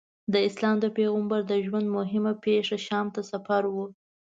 د اسلام د پیغمبر د ژوند موهمه پېښه شام ته سفر و.